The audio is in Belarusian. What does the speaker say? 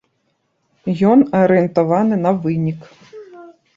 Ён арыентаваны на вынік.